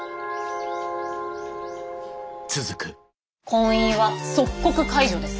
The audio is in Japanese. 婚姻は即刻解除です。